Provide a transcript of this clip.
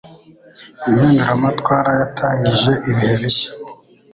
Impinduramatwara yatangije ibihe bishya.